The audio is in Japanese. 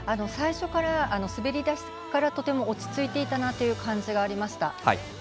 最初から滑り出しからとても落ち着いていた感じがありました。